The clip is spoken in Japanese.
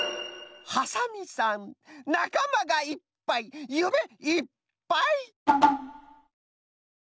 「ハサミさんなかまがいっぱいゆめいっぱい」。